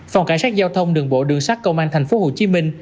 phòng cảnh sát giao thông đường bộ đường sát công an tp hcm